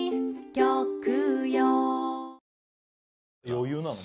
余裕なの？